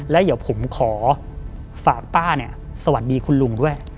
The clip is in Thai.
แล้วเดี๋ยวผมขอฝากป้าเนี่ยสวัสดีคุณลุงด้วย